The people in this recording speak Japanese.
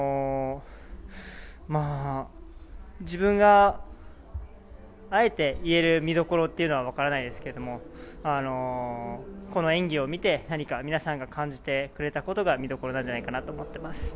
自分があえて言える見どころというのはわからないですけどもこの演技を見て何か皆さんが感じてくれたことが見どころなんじゃないかなと思っています。